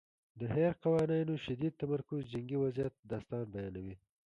د هیر قوانینو شدید تمرکز د جنګي وضعیت داستان بیانوي.